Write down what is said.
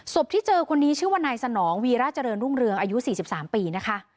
ที่เจอคนนี้ชื่อว่านายสนองวีราชเจริญรุ่งเรืองอายุ๔๓ปีนะคะ